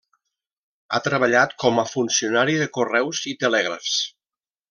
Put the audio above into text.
Ha treballat com a funcionari de Correus i Telègrafs.